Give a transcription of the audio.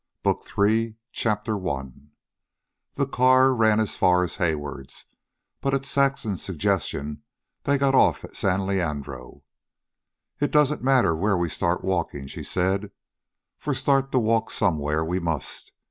BOOK III CHAPTER I The car ran as far as Hayward's, but at Saxon's suggestion they got off at San Leandro. "It doesn't matter where we start walking," she said, "for start to walk somewhere we must.